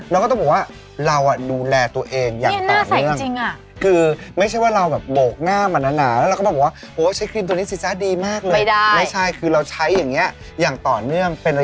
เราก็ต้องบอกว่าเราดูแลตัวเองอย่างต่อเนื่องจริง